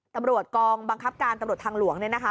ตำรวจกองบังคับการตำรวจทางหลวงเนี่ยนะคะ